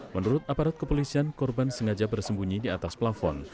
menurut aparat kepolisian korban sengaja bersembunyi di atas plafon